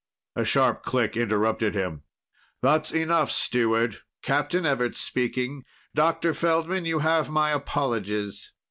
A sharp click interrupted him. "That's enough, Steward. Captain Everts speaking. Dr. Feldman, you have my apologies.